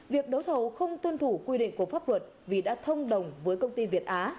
việc đấu thầu không tuân thủ quy định của pháp luật vì đã thông đồng với công ty việt á